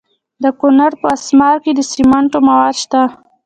د کونړ په اسمار کې د سمنټو مواد شته.